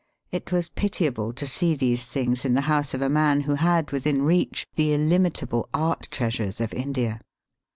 It was pitiable to see these things in the house of a man who had within reach the illimitable art treasures of India.